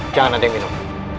jangan ada yang minum